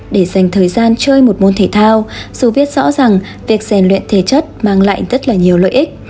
để dành thời gian chơi một môn thể thao dù biết rõ ràng việc rèn luyện thể chất mang lại rất là nhiều lợi ích